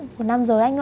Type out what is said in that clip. của nam giới anh ạ